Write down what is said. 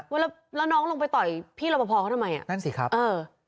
ว่าแล้วน้องลงไปต่อยพี่รบภพเขาทำไมนั่นสิครับเออ